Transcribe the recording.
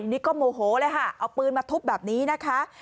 นี่ก็โมโหเลยค่ะเอาปืนมาทุบแบบนี้นะคะ